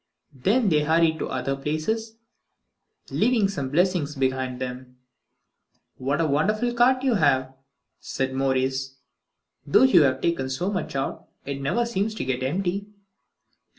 Then they hurried to other places, leaving some blessing behind them. "What a wonderful cart you have," said Maurice; "though you have taken so much out, it never seems to get empty."